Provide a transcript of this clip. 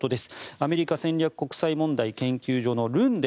アメリカ戦略国際問題研究所のルンデ